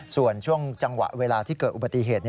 ส่วนช่วงจังหวะเวลาที่เกิดอุบัติเหตุ